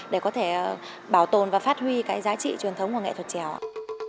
để có thể bảo tồn và phát huy cái giá trị truyền thống của nghệ thuật trèo ạ